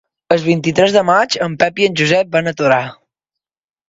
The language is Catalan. El vint-i-tres de maig en Pep i en Josep van a Torà.